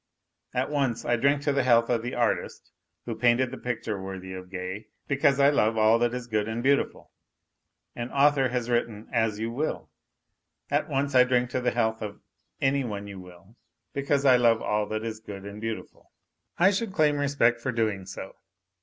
At once I drink to the health of the artist who painted the picture worthy of Gay, because I love all that is " good and beautiful." An author has written As you will : at once I drink to the health of " any one you will " because I love all that is " good and beautiful." I should claim respect for doing so.